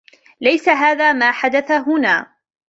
ليس هذا ما حدث هنا.